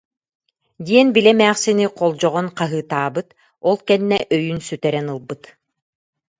диэн били эмээхсини холдьоҕон хаһыытаабыт, ол кэннэ өйүн сүтэрэн ылбыт